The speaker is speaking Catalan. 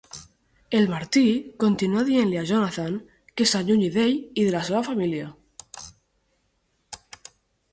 El marit continua dient-li a Jonathan que s'allunyi d'ell i de la seva família.